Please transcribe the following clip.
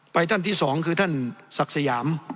ท่านที่สองคือท่านศักดิ์สยาม